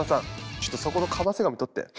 ちょっとそこのかませ紙取って。